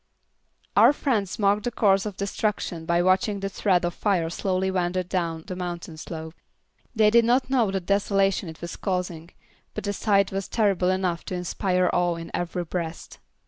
Our friends marked the course of destruction by watching the thread of fire slowly wander down the mountain slope. They did not know of the desolation it was causing, but the sight was terrible enough to inspire awe in every breast.